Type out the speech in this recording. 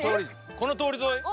この通り沿い？